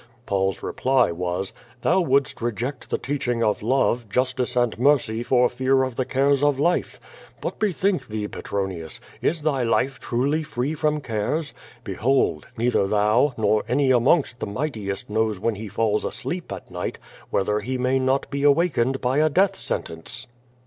Paul's reply was, *Thou wouldst reject the teaching of love, justice and mercy for fear of the cares of life. But bethink thee, Petronius, is thy life truly free from cares? Behold, neither thou, nor any amongst the mightiest knows when he falls asleep at night whether he may not be awakened by a death sentence.